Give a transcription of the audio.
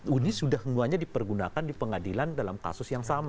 ini sudah semuanya dipergunakan di pengadilan dalam kasus yang sama